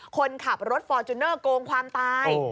คนขับรถฟอร์จูเนอร์โกงความตาย